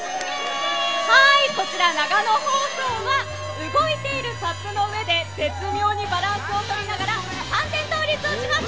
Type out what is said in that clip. こちら長野放送は動いているＳＵＰの上で絶妙にバランスを取りながら３点倒立します。